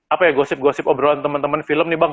apa ya gosip gosip obrolan teman teman film nih bang